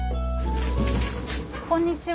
こんにちは。